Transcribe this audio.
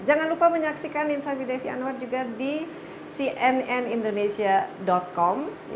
jangan lupa menyaksikan insight with desi anwar juga di cnnindonesia com